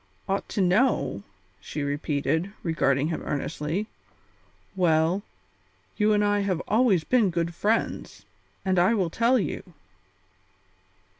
"Ought to know?" she repeated, regarding him earnestly. "Well, you and I have been always good friends, and I will tell you."